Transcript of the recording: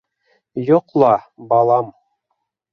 Йоҡла, балам...